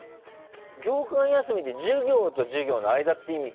業間休みって授業と授業の間って意味か。